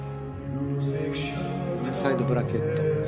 インサイドブラケット。